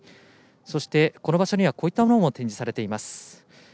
そして、この場所にはこういったものも展示されています。